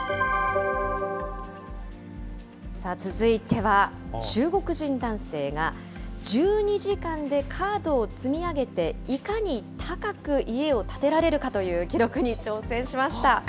さあ、続いては中国人男性が、１２時間でカードを積み上げて、いかに高く家を建てられるかという記録に挑戦しました。